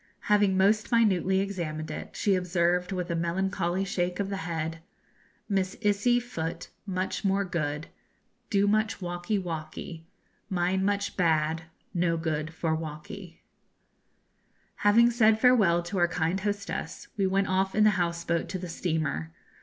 Having most minutely examined it, she observed, with a melancholy shake of the head, 'Missisy foot much more good, do much walky, walky; mine much bad, no good for walky.' Having said farewell to our kind hostess, we went off in the house boat to the steamer.